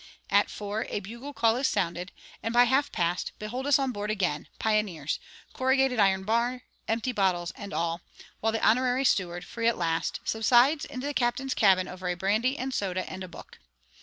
At four a bugle call is sounded; and by half past behold us on board again, pioneers, corrugated iron bar, empty bottles, and all; while the honorary steward, free at last, subsides into the captain's cabin over a brandy and soda and a book.